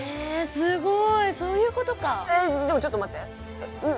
すごーいそういうことかえっでもちょっと待ってうん